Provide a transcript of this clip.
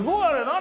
何？